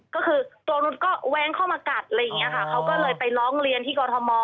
ก็คือตัวนุษย์ก็แว้งเข้ามากัดอะไรอย่างนี้ค่ะเขาก็เลยไปร้องเรียนที่กรทม